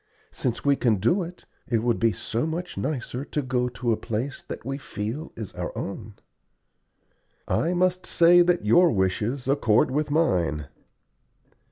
Since we can do it, it will be so much nicer to go to a place that we feel is our own!" "I must say that your wishes accord with mine."